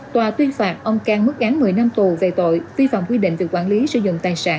tòa tuyên phạt ông cang mức án một mươi năm tù về tội vi phạm quy định về quản lý sử dụng tài sản